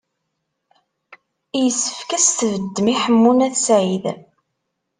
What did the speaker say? Yessefk ad as-tbeddem i Ḥemmu n At Sɛid.